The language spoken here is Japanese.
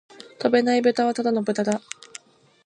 飛べないブタはただの豚だ